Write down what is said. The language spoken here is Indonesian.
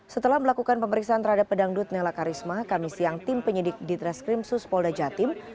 setelah melakukan pemeriksaan terhadap pedangdut nela karisma kami siang tim penyidik di treskrim suspolda jatim